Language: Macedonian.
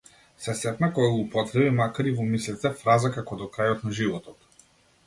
Се сепна кога употреби, макар и во мислите, фраза како до крајот на животот.